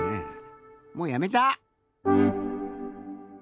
もうやめた！